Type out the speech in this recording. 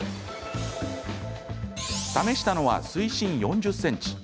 試したのは水深４０ｃｍ。